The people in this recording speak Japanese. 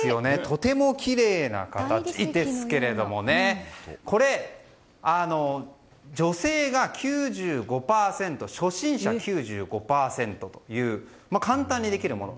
とてもきれいな作品ですけどもこれ、女性が９５％初心者９５％という簡単にできるもの。